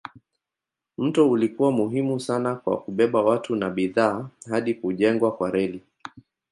Mto ulikuwa muhimu sana kwa kubeba watu na bidhaa hadi kujengwa kwa reli.